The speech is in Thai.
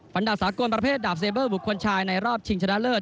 อันดับสากลประเภทดาบเซเบอร์บุคคลชายในรอบชิงชนะเลิศ